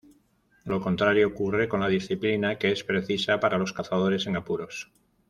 Lo contrario ocurre con la "disciplina", que es precisa para los cazadores en apuros.